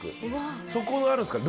そこはあるんですか？